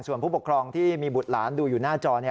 ส่วนผู้ปกครองที่มีบุตรหลานดูอยู่หน้าจอ